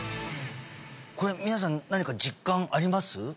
これ皆さん何か実感あります？